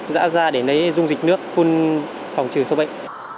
dã ra để lấy dung dịch nước phun phòng trừ sâu bệnh